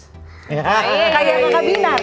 kayak kakak binar